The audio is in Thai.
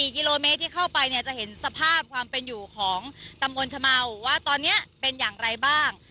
๔กิโลเมตรที่เข้าไปเนี่ยจะเห็นสภาพความเป็นอยู่ของตำบลชะเมาว่าตอนนี้เป็นอย่างไรบ้าง